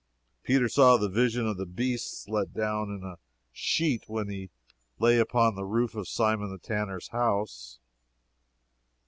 Peter saw the vision of the beasts let down in a sheet when he lay upon the roof of Simon the Tanner's house.